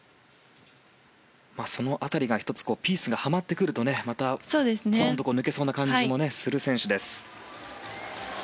１つピースがはまってくると抜けそうな感じもする選手です。